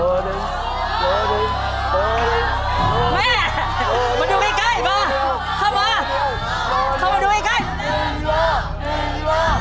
แม่มาดูไอ้เค้าให้มา